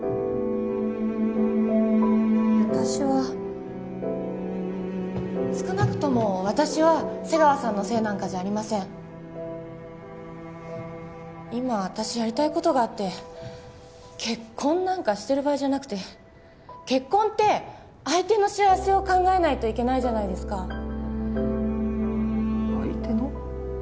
私は少なくとも私は瀬川さんのせいなんかじゃありません今私やりたいことがあって結婚なんかしてる場合じゃなくて結婚って相手の幸せを考えないといけないじゃないですか相手の？